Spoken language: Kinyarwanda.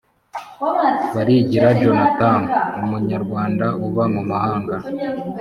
barigira jotham umunyarwanda uba mumahanga